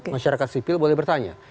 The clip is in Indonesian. masyarakat sipil boleh bertanya